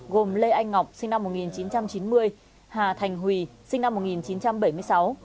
gồm lê anh ngọc sinh năm một nghìn chín trăm chín mươi hà thành huy sinh năm một nghìn chín trăm bảy mươi sáu